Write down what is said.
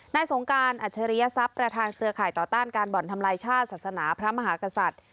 สงการอัจฉริยศัพย์ประธานเครือข่ายต่อต้านการบ่อนทำลายชาติศาสนาพระมหากษัตริย์